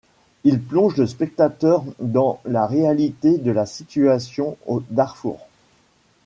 Il plonge le spectateur dans la réalité de la situation au Darfour.